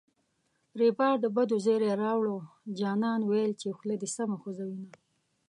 ریبار د بدو زېری راووړـــ جانان ویل چې خوله دې سمه خوزوینه